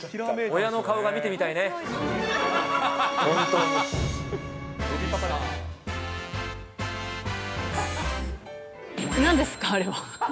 親の顔が見てみたいね、なんですか、あれは。